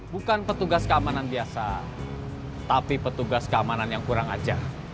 bukan petugas keamanan biasa tapi petugas keamanan yang kurang ajar